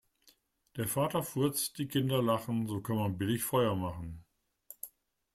Der Vater furzt, die Kinder lachen, so kann man billig Feuer machen.